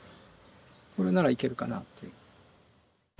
これならいけるかなと。